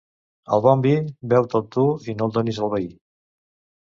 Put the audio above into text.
El bon vi, beu-te'l tu i no el donis al veí.